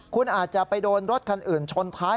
คุณอาจจะไปโดนรถคันอื่นชนท้าย